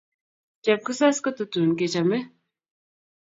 Chepkisas kototun kechome.